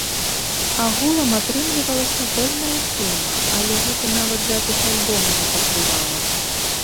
Агулам атрымлівалася пэўная сума, але гэта нават запіс альбома не пакрывала.